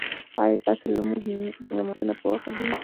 ایا ستاسو لمونځونه په وخت دي؟